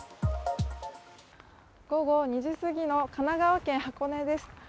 午後２時すぎの神奈川県箱根です